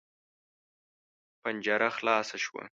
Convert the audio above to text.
پنجره خلاصه شوه.